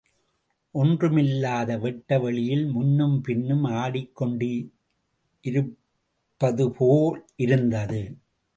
ஒன்றுமில்லாத வெட்ட வெளியில் முன்னும் பின்னும் ஆடிக்கொண்டிருப்பதுபோல் இருந்தது.